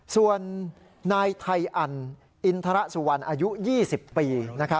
ส่วนนายไทอันอินทรสุวรรณอายุ๒๐ปี